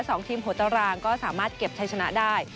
สองทีมหัวตารางก็สามารถเก็บใช้ชนะได้